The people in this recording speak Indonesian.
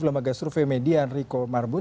lembaga survei media enrico marbun